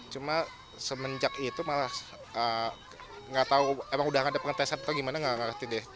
cuma semenjak itu malah nggak tahu emang udah ada pengetesan atau gimana nggak ngerti deh